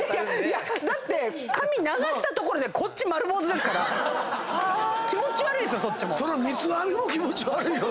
だって髪流したところでこっち丸坊主ですから気持ち悪いですよ